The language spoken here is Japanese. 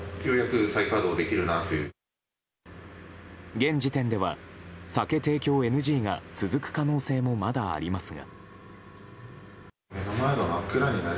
現時点では、酒提供ＮＧが続く可能性もまだありますが。